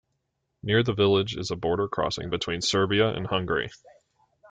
Near the village is a border crossing between Serbia and Hungary.